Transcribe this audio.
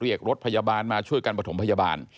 เรียกรถพยาบาลมาช่วยกันประถมพยาบาล